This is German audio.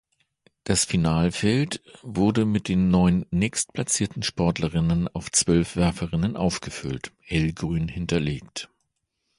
Das Finalfeld wurde mit den neun nächstplatzierten Sportlerinnen auf zwölf Werferinnen aufgefüllt (hellgrün unterlegt).